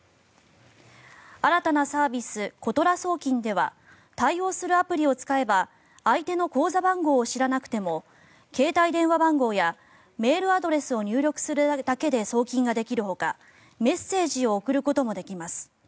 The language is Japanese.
新たなサービス、ことら送金では対応するアプリを使えば相手の口座番号を知らなくても携帯電話番号やメールアドレスを入力するだけで送金ができるほか、メッセージを送ることもできます。